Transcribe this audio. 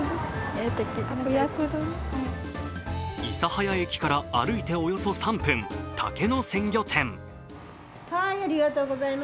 諫早駅から歩いておよそ３分竹野鮮魚店。